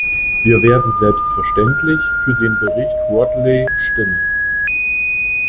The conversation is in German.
Wir werden selbstverständlich für den Bericht Rothley stimmen.